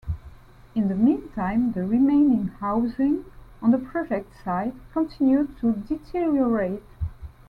In the meantime, the remaining housing on the project site continued to deteriorate.